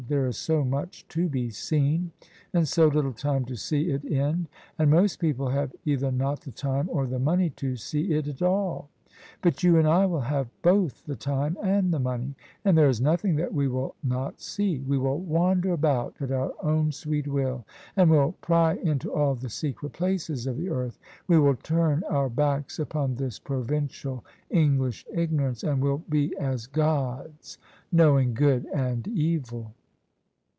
There is so much to be seen, and so little time to see it in; and most people have either not the time or the money to see it at all. But you and I will have both the time and the mon^; and there is nothing that we will not see. We will wander about at our own sweet will, and will pry into all the secret places of the earth : we will turn our backs upon this provincial English ignorance, and will be as gods knowing good and evil."